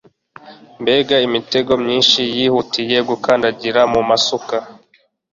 Mbega imitego myinshi yihutiye gukandagira mu masuka